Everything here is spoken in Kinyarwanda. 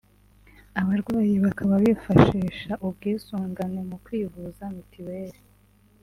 abarwayi bakaba bifashisha ubwisungane mu kwivuza Mitiweli